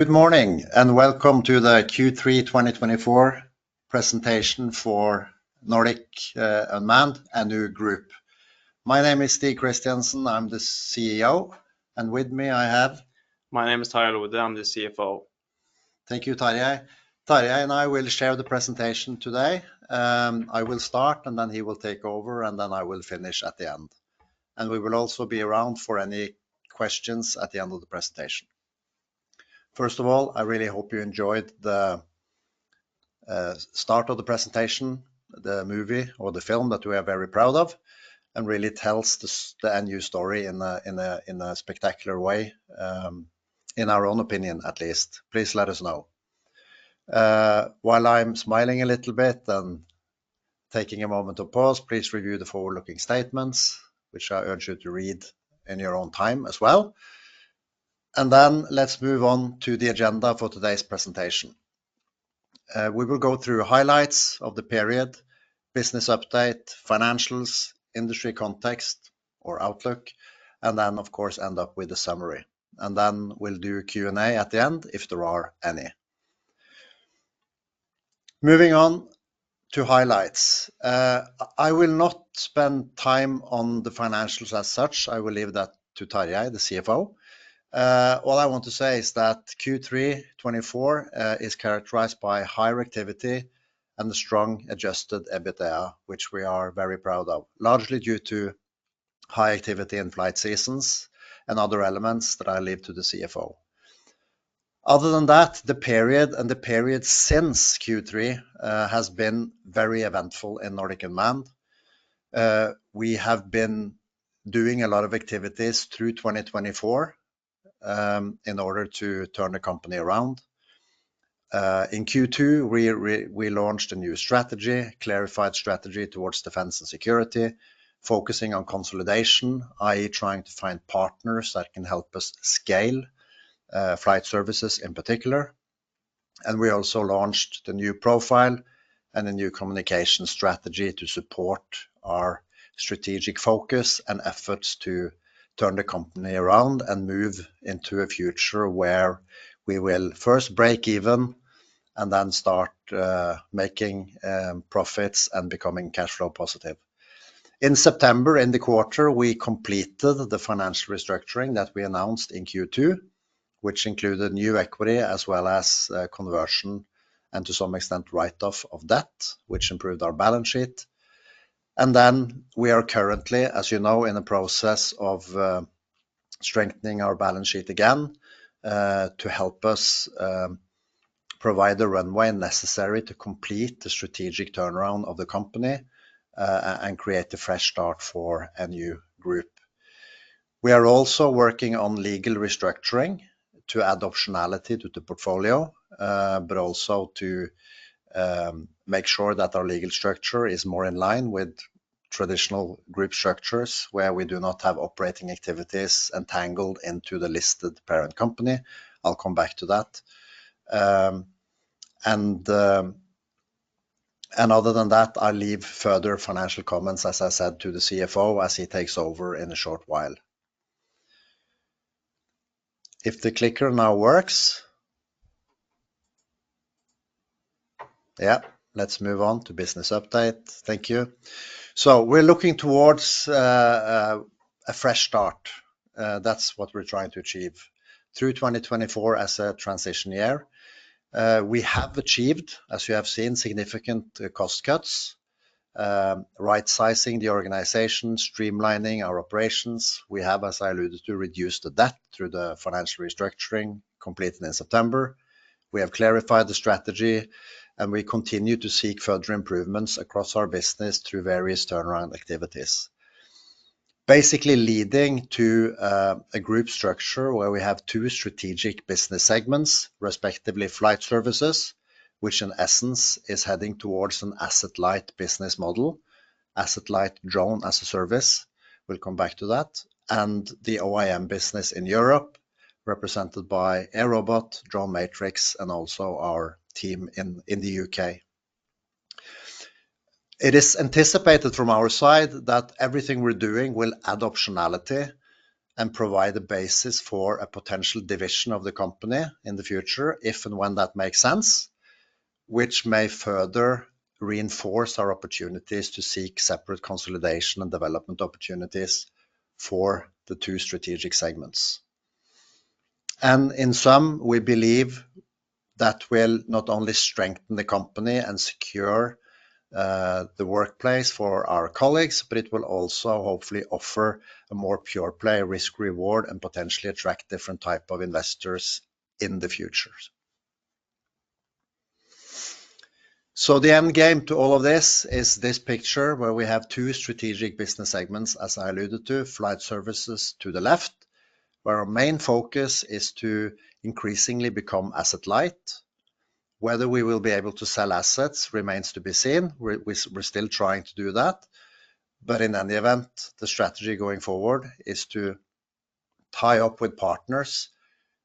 Good morning and welcome to the Q3 2024 presentation for Nordic Unmanned and NU Group. My name is Stig Christiansen. I'm the CEO, and with me I have. My name is Tarjei Lode. I'm the CFO. Thank you, Tarjei. Tarjei and I will share the presentation today. I will start, and then he will take over, and then I will finish at the end, and we will also be around for any questions at the end of the presentation. First of all, I really hope you enjoyed the start of the presentation, the movie or the film that we are very proud of, and really tells the new story in a spectacular way, in our own opinion at least. Please let us know. While I'm smiling a little bit and taking a moment of pause, please review the forward-looking statements, which I urge you to read in your own time as well, and then let's move on to the agenda for today's presentation. We will go through highlights of the period, business update, financials, industry context or outlook, and then, of course, end up with a summary, and then we'll do Q&A at the end if there are any. Moving on to highlights. I will not spend time on the financials as such. I will leave that to Tarjei, the CFO. All I want to say is that Q3 2024 is characterized by higher activity and a strong adjusted EBITDA, which we are very proud of, largely due to high activity in flight seasons and other elements that I leave to the CFO. Other than that, the period and the period since Q3 has been very eventful in Nordic Unmanned. We have been doing a lot of activities through 2024 in order to turn the company around. In Q2, we launched a new strategy, a clarified strategy towards defense and security, focusing on consolidation, i.e., trying to find partners that can help us scale flight services in particular, and we also launched the new profile and a new communication strategy to support our strategic focus and efforts to turn the company around and move into a future where we will first break even and then start making profits and becoming cash flow positive. In September, in the quarter, we completed the financial restructuring that we announced in Q2, which included new equity as well as conversion and, to some extent, write-off of debt, which improved our balance sheet. And then we are currently, as you know, in the process of strengthening our balance sheet again to help us provide the runway necessary to complete the strategic turnaround of the company and create a fresh start for a new group. We are also working on legal restructuring to add optionality to the portfolio, but also to make sure that our legal structure is more in line with traditional group structures where we do not have operating activities entangled into the listed parent company. I'll come back to that. And other than that, I'll leave further financial comments, as I said, to the CFO as he takes over in a short while. If the clicker now works. Yeah, let's move on to business update. Thank you. So we're looking towards a fresh start. That's what we're trying to achieve through 2024 as a transition year. We have achieved, as you have seen, significant cost cuts, right-sizing the organization, streamlining our operations. We have, as I alluded to, reduced the debt through the financial restructuring completed in September. We have clarified the strategy, and we continue to seek further improvements across our business through various turnaround activities, basically leading to a group structure where we have two strategic business segments, respectively flight services, which in essence is heading towards an asset-light business model, asset-light drone as a service. We'll come back to that. And the OEM business in Europe, represented by AirRobot, Drone Matrix, and also our team in the UK. It is anticipated from our side that everything we're doing will add optionality and provide a basis for a potential division of the company in the future, if and when that makes sense, which may further reinforce our opportunities to seek separate consolidation and development opportunities for the two strategic segments, and in sum, we believe that will not only strengthen the company and secure the workplace for our colleagues, but it will also hopefully offer a more pure play risk-reward and potentially attract different types of investors in the future, so the end game to all of this is this picture where we have two strategic business segments, as I alluded to, flight services to the left, where our main focus is to increasingly become asset-light. Whether we will be able to sell assets remains to be seen. We're still trying to do that. But in any event, the strategy going forward is to tie up with partners,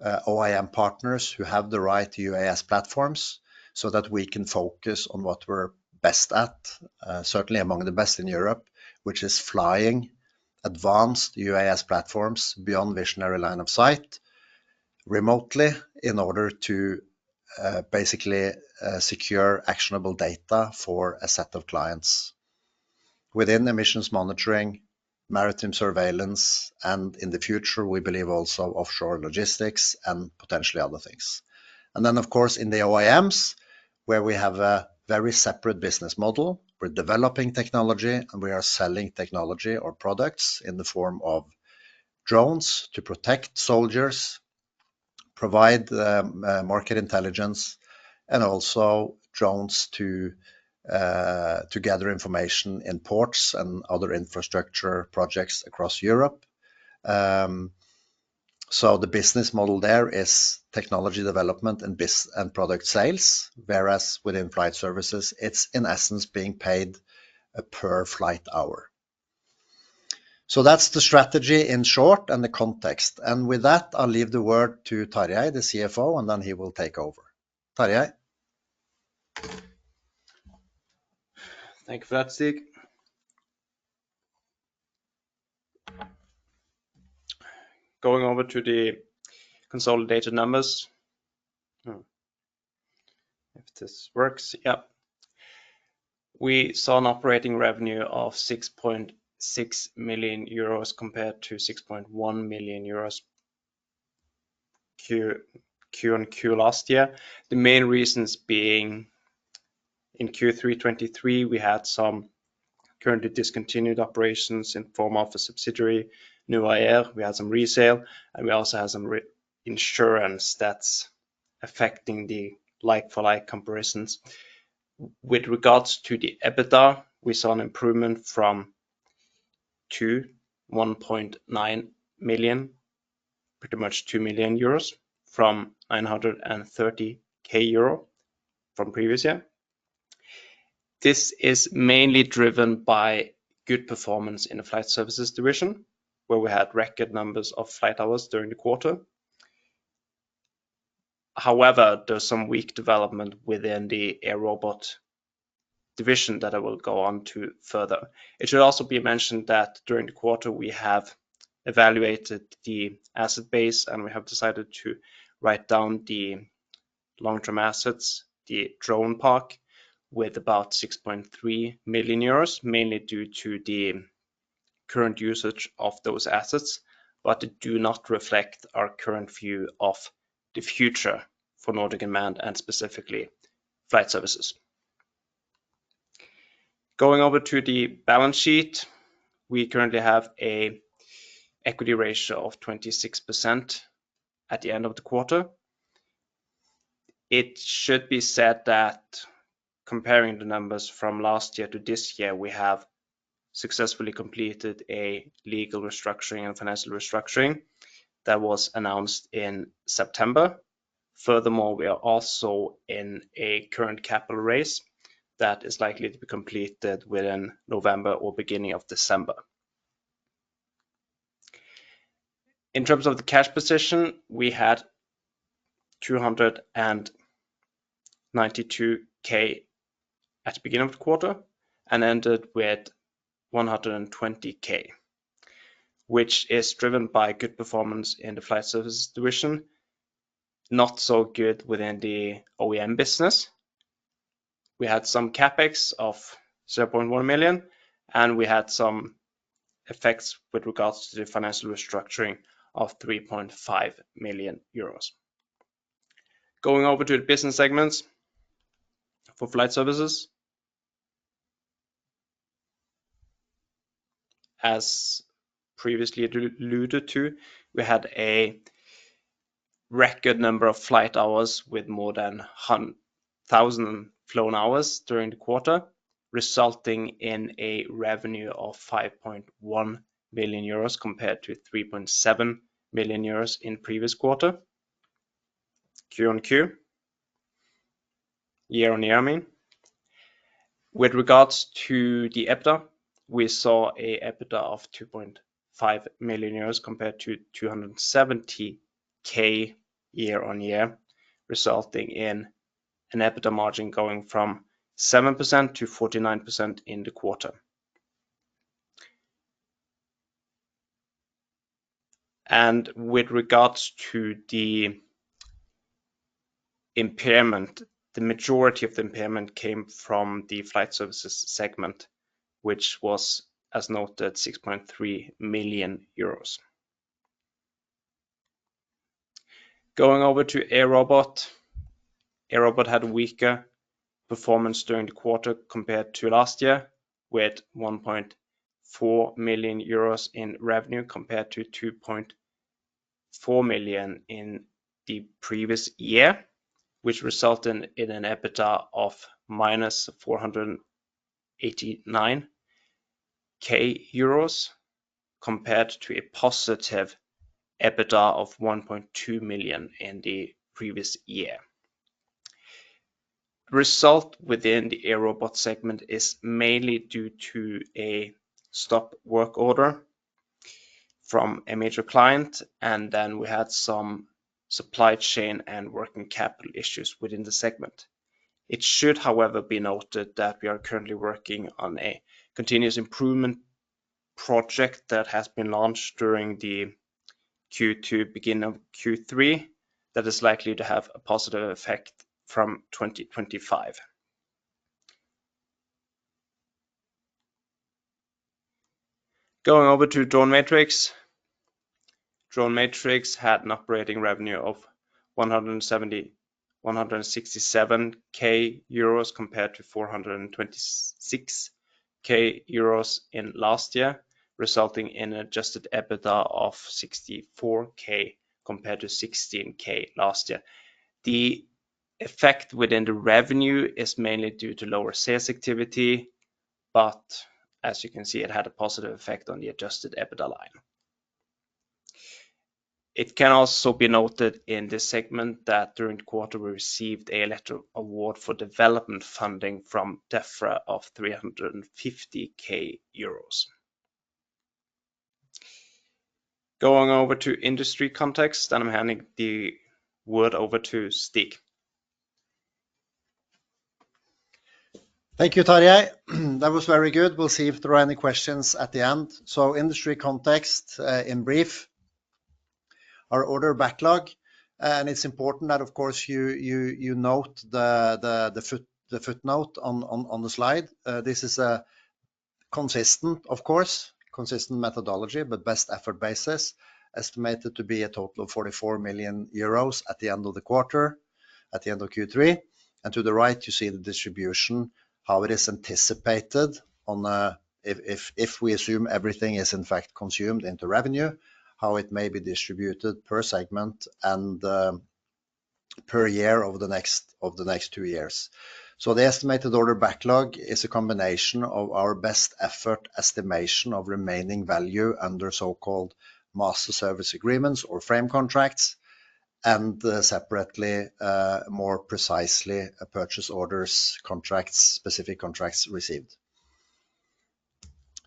OEM partners who have the right UAS platforms so that we can focus on what we're best at, certainly among the best in Europe, which is flying advanced UAS platforms beyond visual line of sight remotely in order to basically secure actionable data for a set of clients within emissions monitoring, maritime surveillance, and in the future, we believe also offshore logistics and potentially other things. And then, of course, in the OEMs, where we have a very separate business model, we're developing technology and we are selling technology or products in the form of drones to protect soldiers, provide market intelligence, and also drones to gather information in ports and other infrastructure projects across Europe. So the business model there is technology development and product sales, whereas within flight services, it's in essence being paid per flight hour. So that's the strategy in short and the context. And with that, I'll leave the word to Tarjei, the CFO, and then he will take over. Tarjei. Thank you for that, Stig. Going over to the consolidated numbers. If this works, yeah. We saw an operating revenue of 6.6 million euros compared to 6.1 million euros Q-on-Q last year. The main reasons being in Q3 2023, we had some currently discontinued operations in the form of a subsidiary Ecoxy. We had some resale, and we also had some insurance that's affecting the like-for-like comparisons. With regards to the EBITDA, we saw an improvement from 1.9 million, pretty much 2 million euros from 930,000 euro from previous year. This is mainly driven by good performance in the flight services division, where we had record numbers of flight hours during the quarter. However, there's some weak development within the AirRobot division that I will go on to further. It should also be mentioned that during the quarter, we have evaluated the asset base, and we have decided to write down the long-term assets, the drone park, with about 6.3 million euros, mainly due to the current usage of those assets, but it does not reflect our current view of the future for Nordic Unmanned and specifically flight services. Going over to the balance sheet, we currently have an equity ratio of 26% at the end of the quarter. It should be said that comparing the numbers from last year to this year, we have successfully completed a legal restructuring and financial restructuring that was announced in September. Furthermore, we are also in a current capital raise that is likely to be completed within November or beginning of December. In terms of the cash position, we had EUR 292k at the beginning of the quarter and ended with 120k, which is driven by good performance in the flight services division, not so good within the OEM business. We had some CapEx of 0.1 million, and we had some effects with regards to the financial restructuring of 3.5 million euros. Going over to the business segments for flight services. As previously alluded to, we had a record number of flight hours with more than 1,000 flown hours during the quarter, resulting in a revenue of 5.1 million euros compared to 3.7 million euros in previous quarter. Q1Q, year on year, I mean. With regards to the EBITDA, we saw an EBITDA of 2.5 million euros compared to 270k year on year, resulting in an EBITDA margin going from 7% to 49% in the quarter. With regards to the impairment, the majority of the impairment came from the flight services segment, which was, as noted, 6.3 million euros. Going over to AirRobot. AirRobot had a weaker performance during the quarter compared to last year, with 1.4 million euros in revenue compared to 2.4 million in the previous year, which resulted in an EBITDA of EUR 489k compared to a positive EBITDA of 1.2 million in the previous year. The result within the AirRobot segment is mainly due to a stop work order from a major client, and then we had some supply chain and working capital issues within the segment. It should, however, be noted that we are currently working on a continuous improvement project that has been launched during the Q2, beginning of Q3, that is likely to have a positive effect from 2025. Going over to Drone Matrix. Drone Matrix had an operating revenue of 167k euros compared to 426k euros in last year, resulting in an Adjusted EBITDA of 64k compared to 16k last year. The effect within the revenue is mainly due to lower sales activity, but as you can see, it had a positive effect on the Adjusted EBITDA line. It can also be noted in this segment that during the quarter, we received an award for development funding from DEFRA of 350k euros. Going over to industry context, and I'm handing the word over to Stig. Thank you, Tarjei. That was very good. We'll see if there are any questions at the end. So industry context in brief, our order backlog, and it's important that, of course, you note the footnote on the slide. This is a consistent, of course, consistent methodology, but best effort basis estimated to be a total of 44 million euros at the end of the quarter, at the end of Q3, and to the right, you see the distribution, how it is anticipated on if we assume everything is in fact consumed into revenue, how it may be distributed per segment and per year over the next two years, so the estimated order backlog is a combination of our best effort estimation of remaining value under so-called master service agreements or frame contracts, and separately, more precisely, purchase orders, specific contracts received,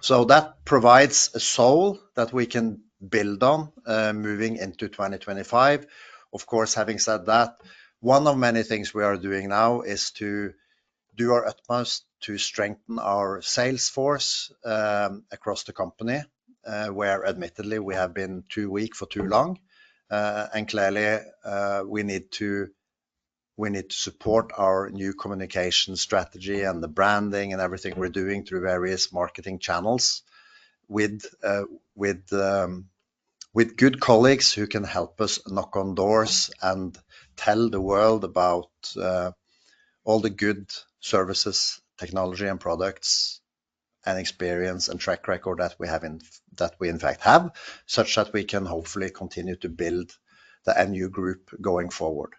so that provides a solid that we can build on moving into 2025. Of course, having said that, one of many things we are doing now is to do our utmost to strengthen our sales force across the company, where admittedly we have been too weak for too long and clearly, we need to support our new communication strategy and the branding and everything we're doing through various marketing channels with good colleagues who can help us knock on doors and tell the world about all the good services, technology, and products and experience and track record that we in fact have, such that we can hopefully continue to build the NU Group going forward.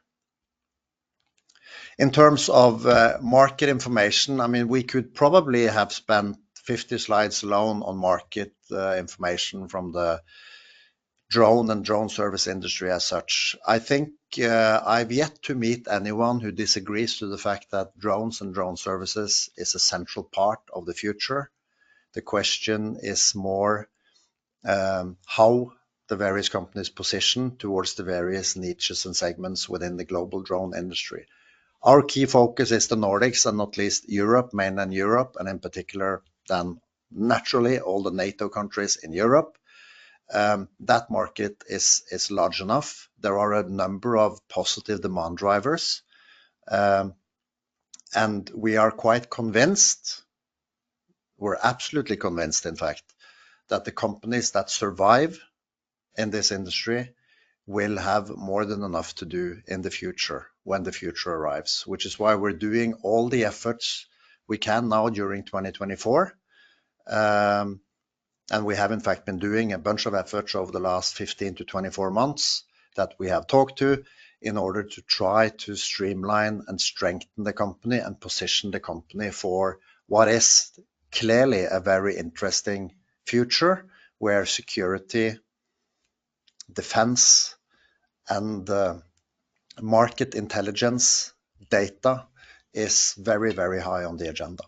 In terms of market information, I mean, we could probably have spent 50 slides alone on market information from the drone and drone service industry as such. I think I've yet to meet anyone who disagrees with the fact that drones and drone services is a central part of the future. The question is more how the various companies position towards the various niches and segments within the global drone industry. Our key focus is the Nordics and not least Europe, mainland Europe, and in particular, then naturally, all the NATO countries in Europe. That market is large enough. There are a number of positive demand drivers, and we are quite convinced, we're absolutely convinced, in fact, that the companies that survive in this industry will have more than enough to do in the future when the future arrives, which is why we're doing all the efforts we can now during 2024. And we have, in fact, been doing a bunch of efforts over the last 15-24 months that we have talked to in order to try to streamline and strengthen the company and position the company for what is clearly a very interesting future where security, defense, and market intelligence data is very, very high on the agenda.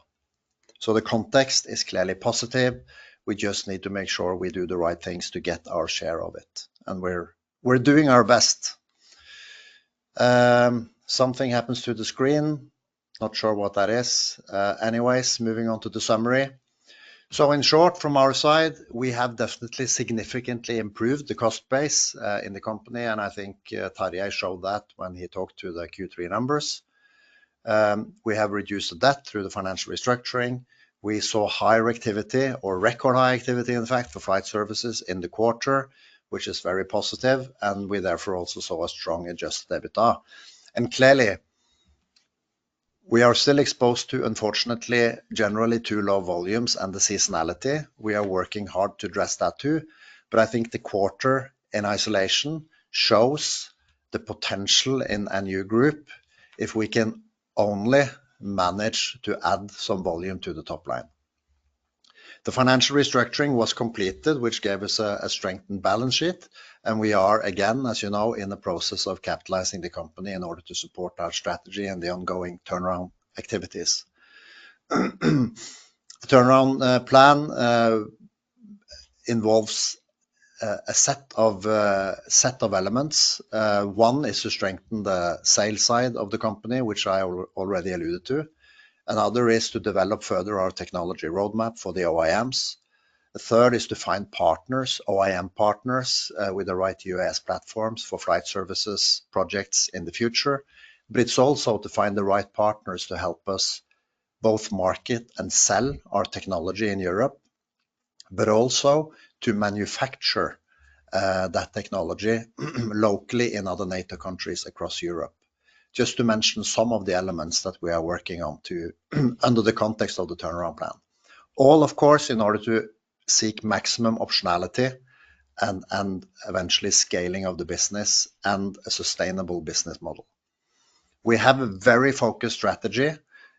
So the context is clearly positive. We just need to make sure we do the right things to get our share of it. And we're doing our best. Something happens to the screen. Not sure what that is. Anyways, moving on to the summary. So in short, from our side, we have definitely significantly improved the cost base in the company. And I think Tarjei showed that when he talked to the Q3 numbers. We have reduced the debt through the financial restructuring. We saw higher activity or record high activity, in fact, for flight services in the quarter, which is very positive, and we therefore also saw a strong Adjusted EBITDA, and clearly, we are still exposed to, unfortunately, generally too low volumes and the seasonality. We are working hard to address that too, but I think the quarter in isolation shows the potential in NU Group if we can only manage to add some volume to the top line. The financial restructuring was completed, which gave us a strengthened balance sheet, and we are, again, as you know, in the process of capitalizing the company in order to support our strategy and the ongoing turnaround activities. The turnaround plan involves a set of elements. One is to strengthen the sales side of the company, which I already alluded to. Another is to develop further our technology roadmap for the OEMs. The third is to find partners, OEM partners, with the right UAS platforms for flight services projects in the future. But it's also to find the right partners to help us both market and sell our technology in Europe, but also to manufacture that technology locally in other NATO countries across Europe. Just to mention some of the elements that we are working on under the context of the turnaround plan. All, of course, in order to seek maximum optionality and eventually scaling of the business and a sustainable business model. We have a very focused strategy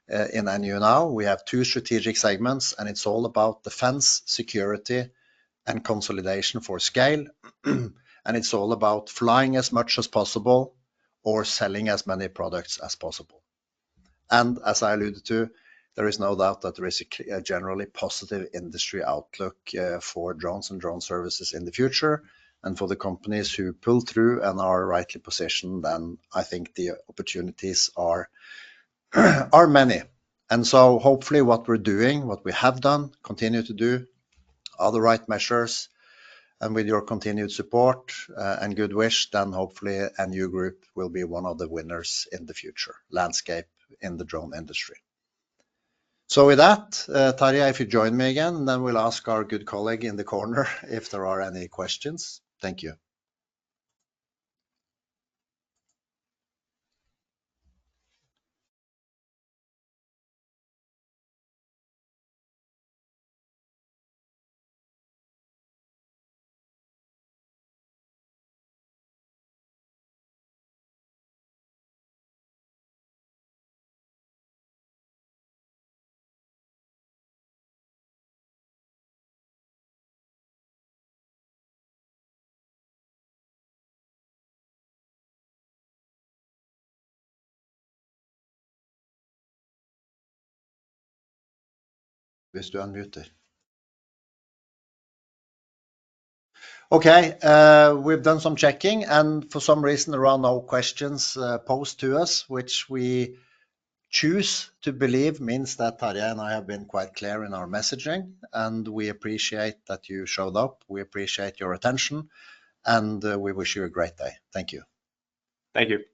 in NU now. We have two strategic segments, and it's all about defense, security, and consolidation for scale. And it's all about flying as much as possible or selling as many products as possible. And as I alluded to, there is no doubt that there is a generally positive industry outlook for drones and drone services in the future. And for the companies who pull through and are rightly positioned, then I think the opportunities are many. And so hopefully what we're doing, what we have done, continue to do, are the right measures. And with your continued support and good wish, then hopefully NU Group will be one of the winners in the future landscape in the drone industry. So with that, Tarjei, if you join me again, then we'll ask our good colleague in the corner if there are any questions. Thank you. Okay, we've done some checking, and for some reason, there are no questions posed to us, which we choose to believe means that Tarjei and I have been quite clear in our messaging. We appreciate that you showed up. We appreciate your attention, and we wish you a great day. Thank you. Thank you.